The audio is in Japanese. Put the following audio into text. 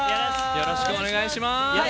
よろしくお願いします。